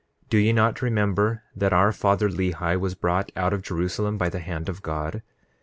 9:9 Do ye not remember that our father, Lehi, was brought out of Jerusalem by the hand of God?